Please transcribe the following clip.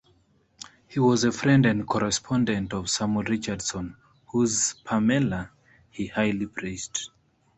He was a friend and correspondent of Samuel Richardson, whose "Pamela" he highly praised.